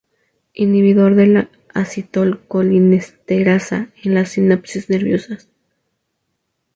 Inhibidor de la acetilcolinesterasa en las sinapsis nerviosas.